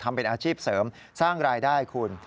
ทำเป็นอาชีพเสริมสร้างรายได้คุณ